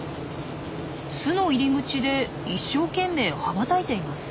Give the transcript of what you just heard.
巣の入り口で一生懸命羽ばたいています。